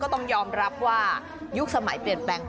ต้องยอมรับว่ายุคสมัยเปลี่ยนแปลงไป